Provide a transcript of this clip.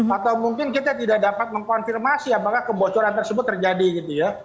atau mungkin kita tidak dapat mengkonfirmasi apakah kebocoran tersebut terjadi gitu ya